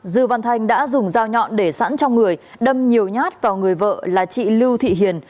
dư văn thanh đã dùng dao nhọn để sẵn trong người đâm nhiều nhát vào người vợ là chị lưu thị hiền